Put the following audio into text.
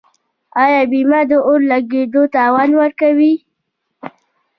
آیا بیمه د اور لګیدو تاوان ورکوي؟